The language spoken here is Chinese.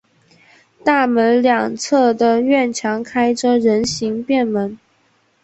大门两侧的院墙开着人行便门。